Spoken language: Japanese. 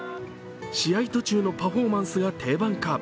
試合途中のパフォーマンスが定番化。